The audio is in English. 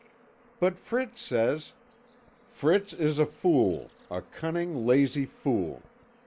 "But Fritz says " "Fritz is a fool, a cunning, lazy fool.